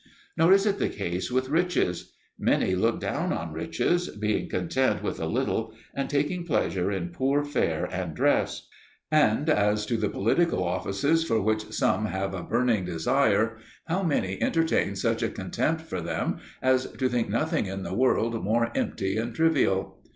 Nor is it the case with riches. Many look down on riches, being content with a little and taking pleasure in poor fare and dress, And as to the political offices for which some have a burning desire how many entertain such a contempt for them as to think nothing in the world more empty and trivial!